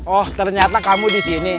oh ternyata kamu disini